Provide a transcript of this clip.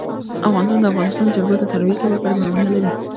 افغانستان د د افغانستان جلکو د ترویج لپاره پروګرامونه لري.